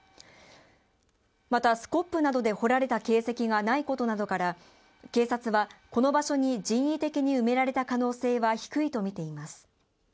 またスコップなどで掘られた形跡がないことなどから警察はこの場所に人為的に埋められた可能性は低いとみています